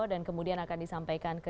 dan kemudian akan disampaikan ke